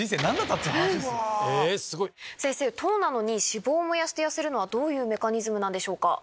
糖なのに脂肪を燃やして痩せるのはどういうメカニズムなんでしょうか？